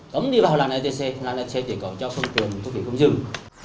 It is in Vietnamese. không đi vào làn etc làn etc chỉ có cho phương tiện thu phí không dừng